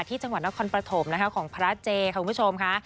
ที่จังหวัดนครปฐมนะคะของพระเจค่ะคุณผู้ชมค่ะ